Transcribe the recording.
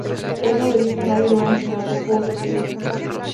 Él no le dijo a nadie de un asesinato, fue testigo.